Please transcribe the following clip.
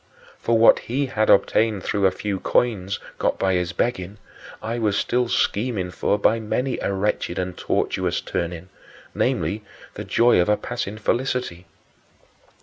For what he had obtained through a few coins, got by his begging, I was still scheming for by many a wretched and tortuous turning namely, the joy of a passing felicity.